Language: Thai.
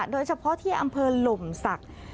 โดยเฉพาะที่อำเภอหล่มศักดิ์